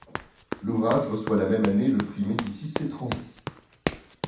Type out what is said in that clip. L'ouvrage reçoit la même année le prix Médicis étranger.